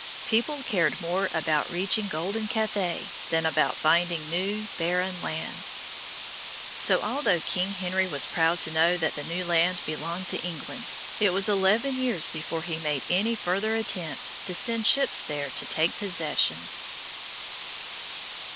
People cared more about reaching golden Cathay than about finding new, barren lands. So, although King Henry was proud to know that the new land belonged to England, it was eleven years before he made any further attempt to send ships there to take possession.